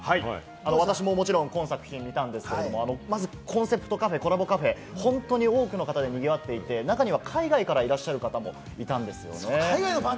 私ももちろん今作品を見たんですけど、まずコンセプトカフェ、コラボカフェ、本当に多くの方でにぎわっていて、中には海外からいらっしゃる方もいました。